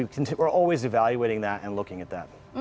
jadi kita selalu menilai dan melihat itu